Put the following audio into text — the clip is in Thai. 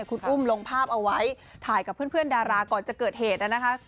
คุณอุ้มลงภาพเอาไว้ถ่ายกับเพื่อนดาราก่อนจะเกิดเหตุนะคะ